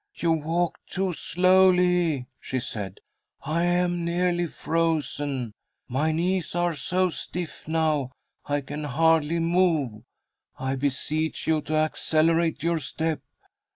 "You walk too slowly," she said. "I am nearly frozen. My knees are so stiff now I can hardly move. I beseech you to accelerate your step."